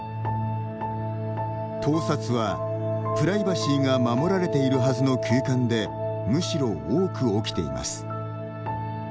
盗撮は、プライバシーが守られているはずの空間でむしろ多く起きています。